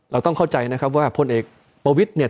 เราต้องเข้าใจนะครับว่าพลเอกประวิทย์เนี่ย